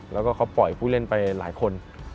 แล้วก็เขาปล่อยผู้เล่นไปหลายคน